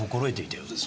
そうです。